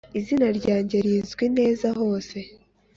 izina ryange rizwi neza hose.